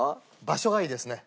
場所がいいですね。